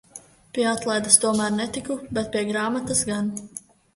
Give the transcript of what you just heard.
Pie atlaides tomēr netiku, bet pie grāmatas gan.